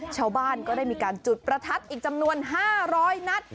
ชาวบ้านก็ได้มีการจุดประทัดอีกจำนวน๕๐๐นัด